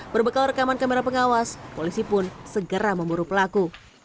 berbekal rekaman kamera pengawas polisi pun segera memburu pelaku